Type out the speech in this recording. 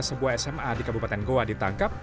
sebuah sma di kabupaten goa ditangkap